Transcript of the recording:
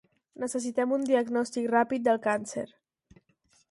Necessitem un diagnòstic ràpid del càncer.